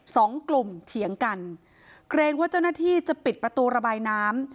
สองกลุ่มเถียงกันเกรงว่าเจ้าหน้าที่จะปิดประตูระบายน้ำ